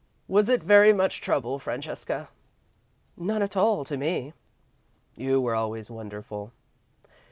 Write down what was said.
"Was it very much trouble, Francesca?" "None at all to me." "You always were wonderful."